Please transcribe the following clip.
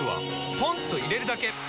ポンと入れるだけ！